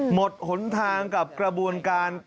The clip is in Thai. หนทางกับกระบวนการ